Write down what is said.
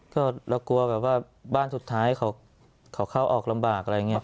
ก็เรากลัวแบบว่าบ้านสุดท้ายเขาเข้าออกลำบากอะไรอย่างนี้